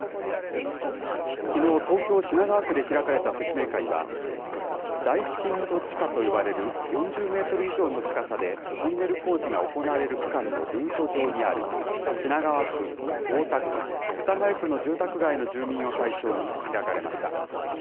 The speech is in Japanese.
きのう、東京・品川区で開かれた説明会は、大深度地下と呼ばれる４０メートル以上の深さでトンネル工事が行われる区間のルート上にある品川区、大田区、世田谷区の住宅街の住民を対象に開かれました。